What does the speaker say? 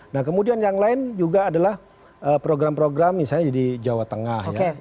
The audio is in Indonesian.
nah kemudian yang lain juga adalah program program misalnya di jawa tengah ya